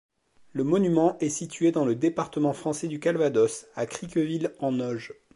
Le monument est situé dans le département français du Calvados, à Cricqueville-en-Auge.